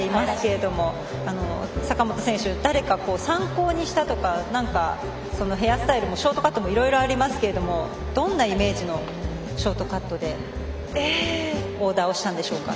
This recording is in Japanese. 坂本選手、誰か参考にしたとかショートカットもいろいろありますがどんなイメージのショートカットでオーダーをしたんでしょうか。